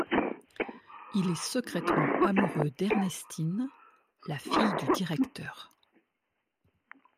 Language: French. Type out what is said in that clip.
Il est secrètement amoureux d'Ernestine, la fille du directeur.